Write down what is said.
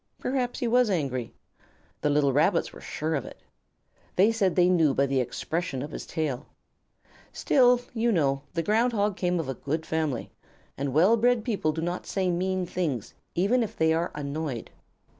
Perhaps he was angry. The little Rabbits were sure of it. They said they knew by the expression of his tail. Still, you know, the Ground Hog came of a good family, and well bred people do not say mean things even if they are annoyed.